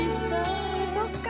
そっか。